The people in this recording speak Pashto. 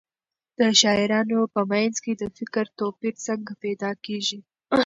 د شاعرانو په منځ کې د فکر توپیر څنګه پیدا کېږي؟